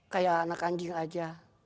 kayak anak anjing aja